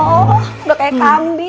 udah kayak kambing